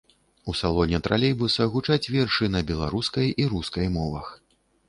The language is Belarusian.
У салоне тралейбуса гучаць вершы на беларускай і рускай мовах.